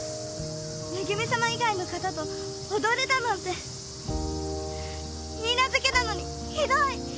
恵さま以外の方と踊れだなんていいなずけなのにひどい！